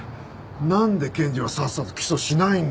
なんで検事はさっさと起訴しないんだよ？